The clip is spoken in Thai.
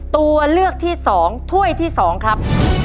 ตัวเลือกที่๒ถ้วยที่๒ครับ